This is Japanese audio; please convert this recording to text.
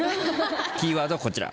キーワードはこちら。